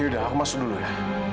yaudah aku masuk dulu ya